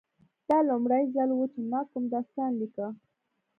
دا لومړی ځل و چې ما کوم داستان لیکه